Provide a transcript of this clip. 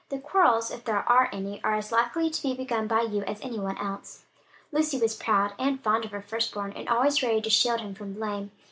"The quarrels, if there are any, are as likely to be begun by you, as any one else." Lucy was proud and fond of her first born, and always ready to shield him from blame.